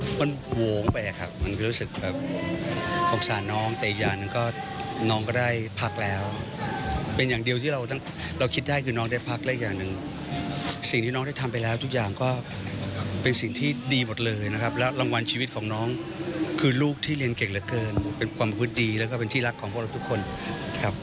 คนโหงไปอะครับมันก็รู้สึกแบบสงสารน้องแต่อีกอย่างหนึ่งก็น้องก็ได้พักแล้วเป็นอย่างเดียวที่เราคิดได้คือน้องได้พักและอีกอย่างหนึ่งสิ่งที่น้องได้ทำไปแล้วทุกอย่างก็เป็นสิ่งที่ดีหมดเลยนะครับแล้วรางวัลชีวิตของน้องคือลูกที่เรียนเก่งเหลือเกินเป็นความพืชดีแล้วก็เป็นที่รักของพวกเราทุกคนครับ